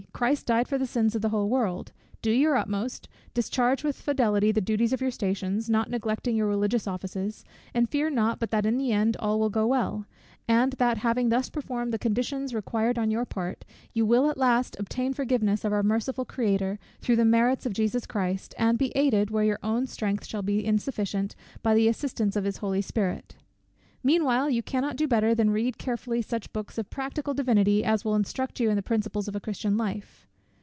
Christ died for the sins of the whole world. Do your utmost; discharge with fidelity the duties of your stations, not neglecting your religious offices; and fear not but that in the end all will go well; and that having thus performed the conditions required on your part, you will at last obtain forgiveness of our merciful Creator through the merits of Jesus Christ, and be aided, where your own strength shall be insufficient, by the assistance of his Holy Spirit. Meanwhile you cannot do better than read carefully such books of practical divinity, as will instruct you in the principles of a Christian life.